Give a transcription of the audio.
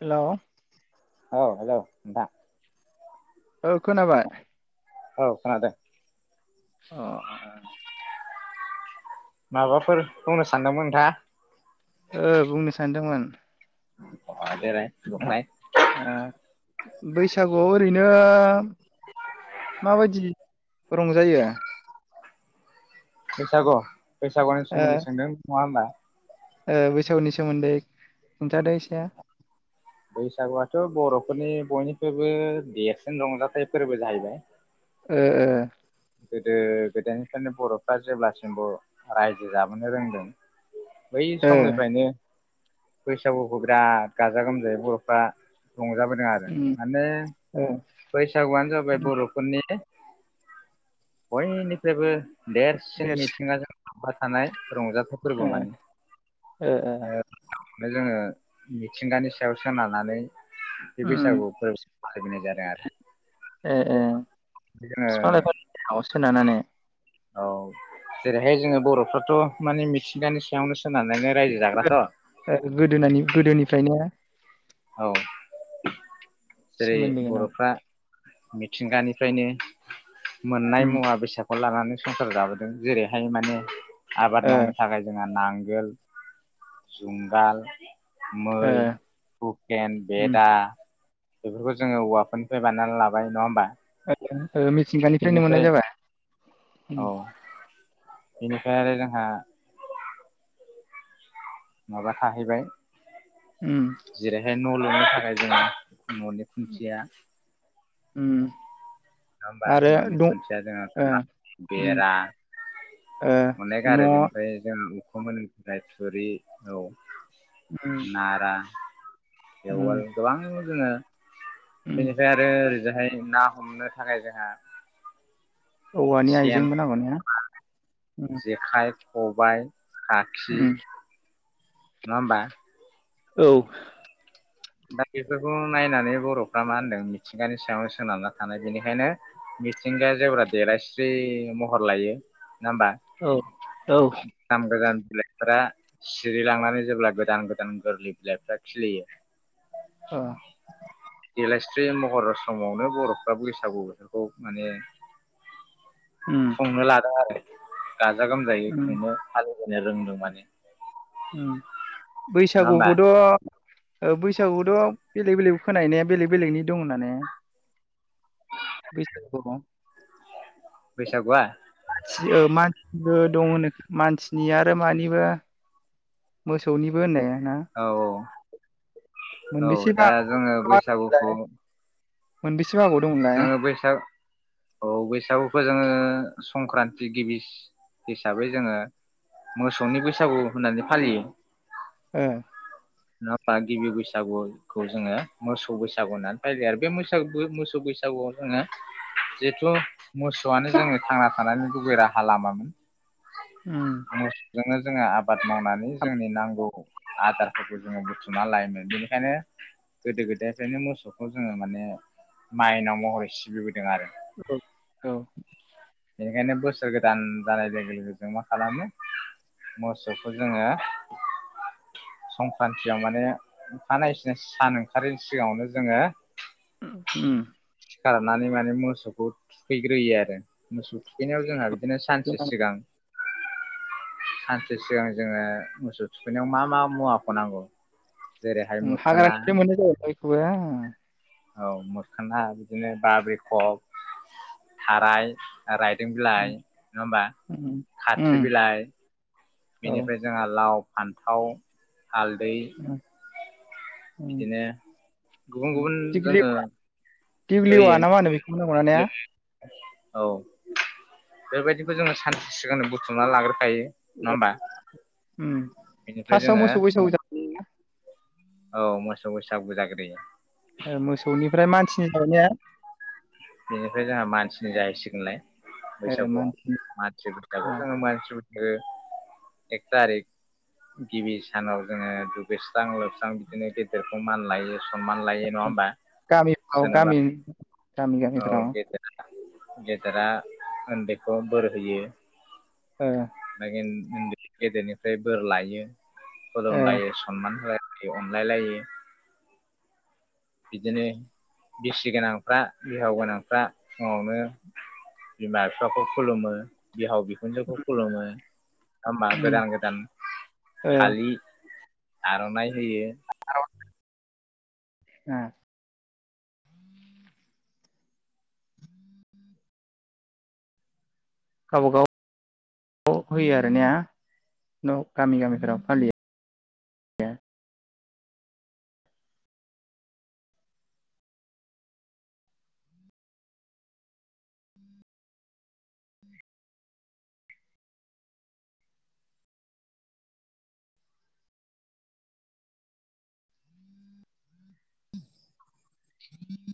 हेल' औ हेल' नोंथा। औ खोनाबाय। औ खोनादों। अ [inaudible] माबाफोर बुंनो सानदोंमोन नोंथाङा? ओ बुंनो सानदोंमोन। ओ [unintelligible] बैसागुआव ओरैनो माबायदि रंजायो? बैसागु बैसागुनि ओ सोमोन्दै सोंदों नङा होनब्ला? ओ बैसौनि सोमोन्दै खिथाद इसाया। बैसागुआथ' बर'फोरनि बयनिफ्रायबो देरसिन रंजाथाइ फोरबो जाहैबाय। ओ ओ ए ए। गोदो गोदायनिफ्रायनो बर'फ्रा जेब्लासिमबो रायजो जाबोनो रोंदों बै ओ समनिफ्रायनो बैसागुखौ बिराद गाजा गोमजायै बर'फ्रा रंजाबोदों आरो उम माने ओ बैसागुआनो जाबाय बर'फोरनि बयनिफ्रायबो देरसिन मिथिङाजों थानाय रंजा ओ ओ ओ। जोङो मिथिंगानि सायाव सोनारनानै बे बैसागु फोरबोखौ फलिनाय जादों [unintelligible] ए ए जोङो बिफां लाइफां सोनारानानै औ जेरैहाय जोङो बर'फ्राथ' माने मिथिंगानि सायावनो सोनारनानै रायजो जाग्राथ' गोदोनानि गोदोनिफ्रायनो औ। जेरै सोमोन्दो गोनां बर'फ्रा मिथिंगानिफ्रायनो मोननाय उम मुवा बेसाद लानानै संसार जाबोदों जेरैहाय माने आबाद ओ मावनो थाखाय जोंहा नांगोल जुंगाल ओ मै हुकेन उम बेदा बेफोरखौ जोङो औवाफोरनिफ्राय बानायनानै लाबाय नङा होमबा? [inaudible] मिथिंगानिफ्रायनो बेनिफ्राय मोननाय जाबाय उम औ बेनिफ्राय आरो जोंहा माबा थाहैबाय। उम जेरैहाय न' लुनो थाखाय जोङो न'नि खुन्थिया उम नङा होमबा आरो न'नि दं खुन्थिया जोङो ओ उम बेरा ओ अनेग आरो न' बेनिफ्राय जों [unintelligible] थुरि औ उम नारा उम थेवोल गोबां जोङो उम बेनिफ्राय आरो जाहाय ना हमनो थाखाय जोंहा औवानि सेन आइजेंबो नांगौ ना? जेखाइ खब बाय खाखि उम नङा होमबा? औ दा बेफोरखौ नायनानै बर'फ्रा मा होनदों मिथिंगानि सायाव सोनारना थानाय बेनिखायनो मिथिंगाया जेब्ला देलायस्रि महर लायो नङा होमबा औ औ दाम गोजान बिलाइफोरा सिरिलांनानै जेब्ला गोदान गोदान गोरलै बिलाइफ्रा खिलियो। ओ देलायस्रि महर समावनो बर'फ्रा बैसागु बोथोरखौ माने उम खुंनो लादों आरो गाजा गोमजायै उम खुंनो फालिबोनो रोंदों माने उम नङा होमबा? बैसागुखौथ' ओ बैसागुथ' बेलेग बेलेग खोनायो ने बेलेग बेलेगनि दं होननानै? बैसागुखौ बैसागुआ मानसि ओ मानसिनिबो दङ होननाय खो मानसिनि आरो मानिबा मोसौनिबो होननाया औ औ औ मोनबेसे दा जोङो बैसागुखौ मोन बेस जोङो बैसाग औ बैसागुखौ जोङो संक्रान्ति गिबिस हिसाबै जोङो मोसौनि बैसागु होननानै फालियो ओ नङा होमबा गिबि बैसागुखौ जोङो मोसौ बैसागु होननानै फालियो आरो बे मैसागु मोसौ बैसागुआव जोङो जेथु मोसौआनो जोङो थांना थानायनि गुबै राहा लामामोन उम जोंनो जोङो आबाद मावनानै जोंनि नांगौ आदार फोरखौ जोङो बुथुमना लायोमोन बेनिखायनो गोदो गोदायनिफ्रायनो मोसौखौ जोङो माने माइनाव महरै सिबिबोदों आरो औ औ बेनिखायनो बोसोर गोदान जानाय लोगो लोगो जों मा खालामो मोसौखौ जोङो संक्रान्तियाव माने खानाय सिना सानो ओंखारैनि सिगाङावनो जोङो उम सिखारनानै माने मोसौखौ थुखैग्रोयो आरो मोसौ थुखैनायाव जोंहा बिदिनो औ सानसे उम सिगां सानसे सिगां जोङो मोसौ थुखैनायाव मा मा मुवाखौ नांगौ जेरैहाय उम मोखोना हाग्रानिफ्राय मोनो जाहैबाय [unintelligible] औ मोखोना बिदिनो बाब्रिखब थाराय रायदों बिलाइ नङा होमबा उम, खाथ्रि उम, बिलाइ बेनिफ्राय जोंहा लाव फान्थाव हालदै उम बिदिनो गुबुन उम गुबुन [unintelligible] जोङो दिग्लिआ होयो ना मा होनो बेखौनो नङा ने औ बेबायदिखौ जोङो सानसे सिगां बुथुमनानै लाग्रो खायो नङा होमबा उम बेनिफ्राय फार्स्टआव जोङो मोसौ बैसागु जायो औ मोसौ बैसागु जाग्रोयो ओ मोसौनिफ्राय मानसिनि थाखाय ने बेनिफ्राय जोंहा मानसिनि जाहैसिगोनलाय बैसागुआव मानसिनि मानसि बैसागु ओ जोङो मानसि ओ एक तारिक गिबि सानाव जोङो दुगैस्रां लोब स्रां जोङो गेदेर सनमान लायो नङा होमबा गामिफोराव सोरनोबा गामि गामि औ गामिफोराव गेदेरा गेदेरा ओन्दैखौ बोर होयो [unintelligible] उन्दै गेदेरनिफ्राय बोर लायो खुलुम लायो सनमान हो यो अनलाइ‌ लायो बिदिनो बिसि गोनांफ्रा बिहाव गोनांफ्रा फुङावनो बिमा बिफाखौ खुलुमो बिहाव बिख खौ खुलुमो नंङा होनबा गोदान गोदान फालि आरनाय होयो [unintelligible] ओ गावबा गाव होयो आर ने न गामि गामिफोराव फालियो [unintelligible]